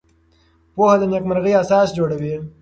پوهه د نېکمرغۍ اساس جوړوي.